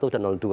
satu dan dua